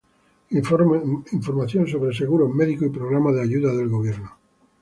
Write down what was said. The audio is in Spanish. Información sobre seguros médicos y programas de ayuda del Gobierno.